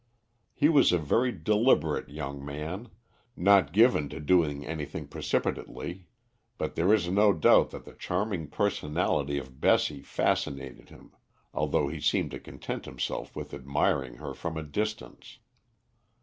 He was a very deliberate young man, not given to doing anything precipitately, but there is no doubt that the charming personality of Bessie fascinated him, although he seemed to content himself with admiring her from a distance.